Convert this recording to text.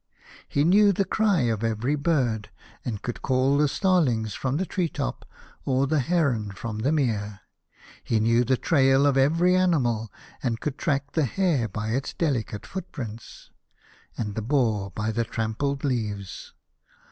He knew the cry of every bird, and could call the starlings from the tree top, or the heron from the mere. He knew the trail of every animal, and could track the hare by its delicate footprints, and h 49 A House of Pomegranates. the boar by the trampled leaves.